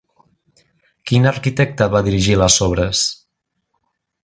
Quin arquitecte va dirigir les obres?